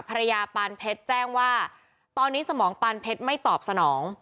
ปานเพชรแจ้งว่าตอนนี้สมองปานเพชรไม่ตอบสนอง